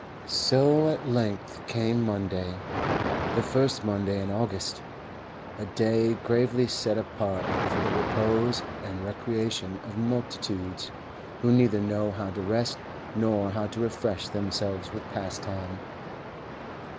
So at length came Monday, the first Monday in August, a day gravely set apart for the repose and recreation of multitudes who neither know how to rest nor how to refresh themselves with pastime.